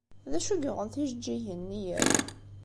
D acu i yuɣen tijeǧǧigin-nni akk?